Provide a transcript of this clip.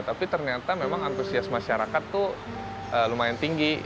tapi ternyata memang antusias masyarakat itu lumayan tinggi